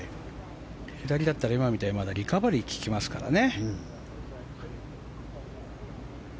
左だったら今みたいにリカバリーが効きますからね。